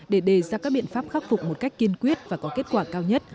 để đề ra các biện pháp khắc phục một cách kiên quyết và có kết quả cao nhất